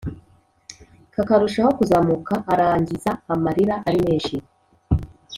kakarushaho kuzamuka arangiza amarira ari menshi